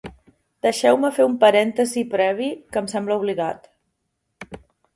Deixeu-me fer un parèntesi previ, que em sembla obligat.